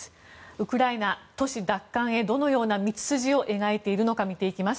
ウクライナ都市奪還へどのような道筋を描いているのか見ていきます。